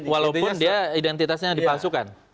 walaupun dia identitasnya dipalsukan